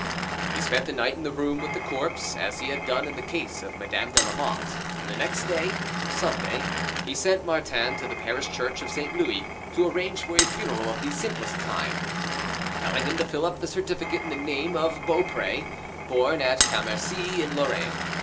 He spent the night in the room with the corpse, as he had done in the case of Madame de Lamotte, and the next day, Sunday, he sent Martin to the parish church of St. Louis, to arrange for a funeral of the simplest kind; telling him to fill up the certificate in the name of Beaupre, born at Commercy, in Lorraine.